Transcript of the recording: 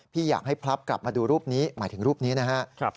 พี่อยากให้พลับกลับมาดูรูปนี้หมายถึงรูปนี้นะครับ